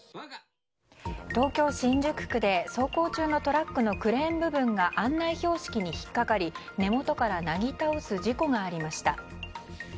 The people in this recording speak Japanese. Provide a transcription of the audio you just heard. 東京・新宿区で走行中のトラックのクレーン部分が案内標識に引っ掛かり根元からなぎ倒す事故がありました。